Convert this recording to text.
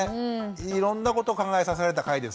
いろんなことを考えさせられた回ですね。